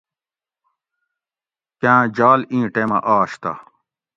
کاۤں جال اِیں ٹیمہ آش تہ